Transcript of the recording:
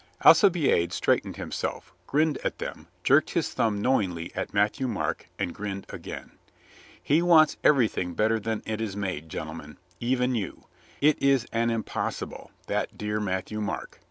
Alcibiade straightened himself, grinned at them, jerked his thumb knowingly at Matthieu Marc, and grinned again. "He wants everything better than it is made, gentlemen. Even you. It is an impossi ble, that dear Matthieu Marc.